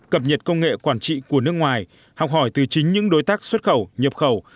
cập nhật công nghệ quản trị của nước ngoài học hỏi từ chính những đối tác xuất khẩu nhập khẩu